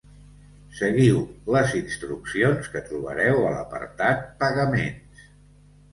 Seguiu les instruccions que trobareu a l'apartat 'Pagaments'